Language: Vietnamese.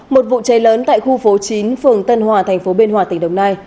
một vụ cháy lớn tại khu phố chín phường tân hòa thành phố biên hòa tỉnh đồng nai